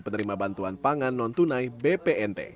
penerima bantuan pangan non tunai bpnt